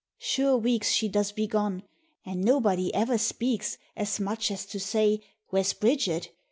Sure weeks she does be gone, an' nobody ever speaks As much as to say " Where's Bridget?"